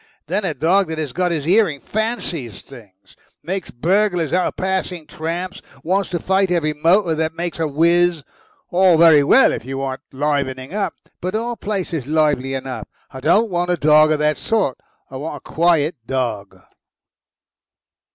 Then a dog that has his hearing fancies things. Makes burglars out of passing tramps. Wants to fight every motor that makes a whizz. All very well if you want livening up, but our place is lively enough. I don't want a dog of that sort. I want a quiet dog."